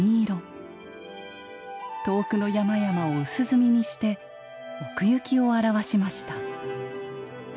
遠くの山々を薄墨にして奥行きを表しました。